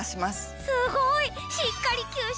すごい！